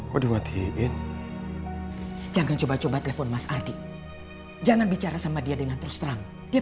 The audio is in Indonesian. waduh jangan coba coba telepon mas ardi jangan bicara sama dia dengan terus terang dia